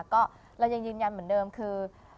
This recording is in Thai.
ก็เรายังยืนยันเหมือนเดิมคือ